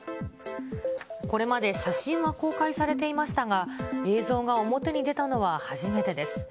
これまで写真は公開されていましたが、映像が表に出たのは初めてです。